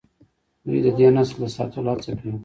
دوی د دې نسل د ساتلو هڅه کوي.